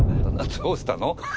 どうしたの？